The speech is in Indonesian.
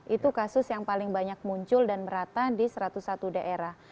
itu kasus yang paling banyak muncul dan merata di satu ratus satu daerah